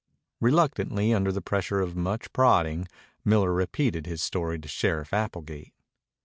Reluctantly, under the pressure of much prodding, Miller repeated his story to Sheriff Applegate.